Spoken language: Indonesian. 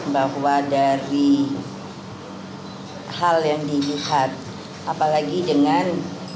bahwa dari hal yang dilihat apalagi dengan